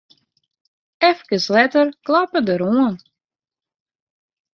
Efkes letter kloppe er oan.